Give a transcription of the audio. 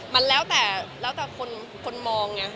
มันแล้วแต่คนมอง